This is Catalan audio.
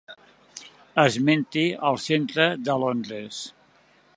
Esmenti el centre de Londres.